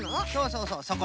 そうそうそう。